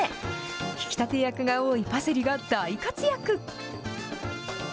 引き立て役が多いパセリが大活躍。